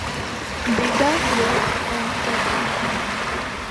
بیٹا روز فون کر کے